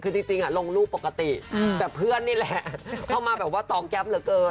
คือจริงลงรูปปกติแต่เพื่อนนี่แหละเข้ามาแบบว่าตองแก๊ปเหลือเกิน